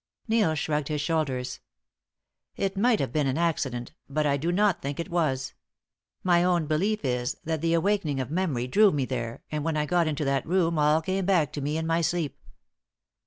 Neil shrugged his shoulders. "It might have been accident; but I do not think it was. My own belief is that the awakening of memory drew me there, and when I got into that room all came back to me in my sleep.